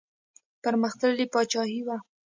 پرمختللې پاچاهي وه.